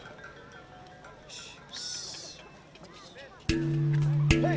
sebelum pacu jawi dimulai